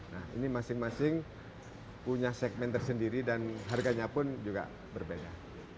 nah ini masing masing punya segmen tersendiri dan harganya pun juga berbeda